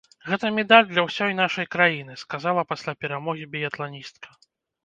Гэта медаль для ўсёй нашай краіны, сказала пасля перамогі біятланістка.